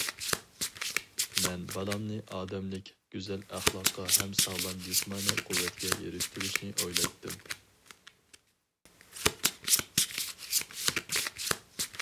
مەن بالامنى ئادەملىك گۈزەل ئەخلاققا ھەم ساغلام جىسمانىي قۇۋۋەتكە ئېرىشتۈرۈشنى ئويلايتتىم.